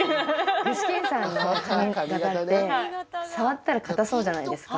具志堅さんの髪形って触ったら硬そうじゃないですか。